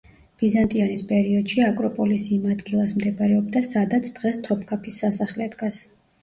ბიზანტიონის პერიოდში აკროპოლისი იმ ადგილას მდებარეობდა, სადაც დღეს თოფქაფის სასახლე დგას.